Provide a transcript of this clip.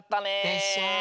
でしょ。